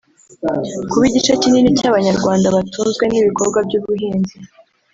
Kuba igice kinini cy’Abanyarwanda batunzwe n’ibikorwa by’ubuhinzi